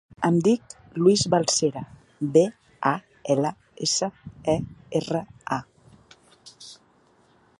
Em dic Luis Balsera: be, a, ela, essa, e, erra, a.